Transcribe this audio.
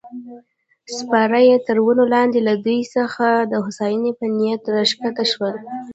سپاره یې تر ونو لاندې له دوی څخه د هوساینې په نیت راکښته شول.